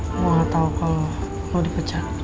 gua gak tau kalo lu dipecat